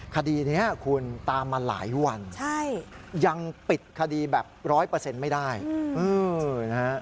คดีนี้คุณตามมาหลายวันยังปิดคดีแบบร้อยเปอร์เซ็นต์ไม่ได้นะฮะ